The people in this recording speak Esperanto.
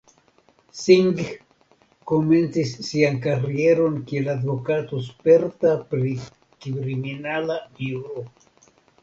Singh komencis sian karieron kiel advokato sperta pri kriminala juro.